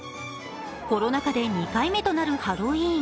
コロナ禍で２回目となるハロウィーン。